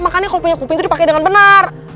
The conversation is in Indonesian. makanya kalo punya kuping itu dipake dengan benar